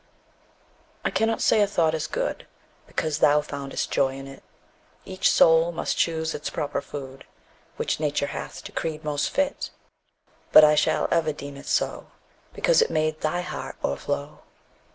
I cannot say a thought is good Because thou foundest joy in it; Each soul must choose its proper food Which Nature hath decreed most fit; But I shall ever deem it so Because it made thy heart o'erflow.